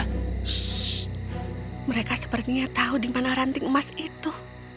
terus mereka sepertinya tahu di mana ranting emas itu